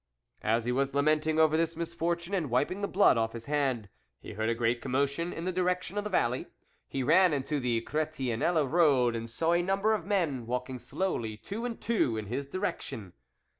As he was lamenting over this mis fortune, and wiping the blood off his hand, he heard a great commotion in the direc tion of the valley ; he ran into the Chretiennelle road and saw a number of men walking slowly two and two in his direction.